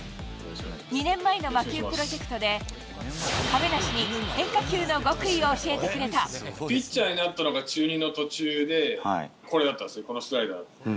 ２年前の魔球プロジェクトで、亀梨に変化球の極意を教えてくれピッチャーになったのが中２の途中で、これだったんですよ、このスライダー。